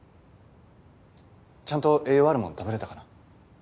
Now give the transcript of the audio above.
ちゃんと栄養あるもの食べれたかな？